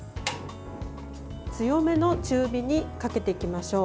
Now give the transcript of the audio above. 強めの中火にかけていきましょう。